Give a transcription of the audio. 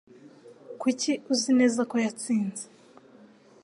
Kuki uzi neza ko yatsinze?